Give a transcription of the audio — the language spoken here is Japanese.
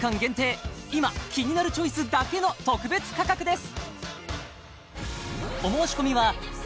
今「キニナルチョイス」だけの特別価格です！